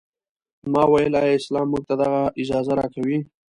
ما وویل ایا اسلام موږ ته دغه اجازه راکوي.